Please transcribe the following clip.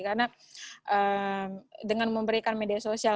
karena dengan memberikan media sosial